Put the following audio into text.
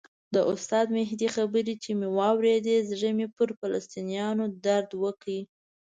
د استاد مهدي خبرې چې مې واورېدې زړه مې پر فلسطینیانو درد وکړ.